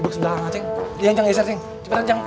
berdiri sebelah kang acing